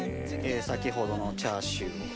先ほどのチャーシューを。